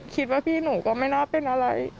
คิดว่าพี่หนูก็ไม่น่าเป็นอะไร